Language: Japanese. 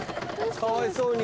かわいそうに。